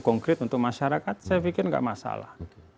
konkret untuk masyarakat saya pikir nggak masalah